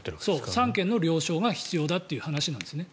三権の了承が必要だという話なんですね。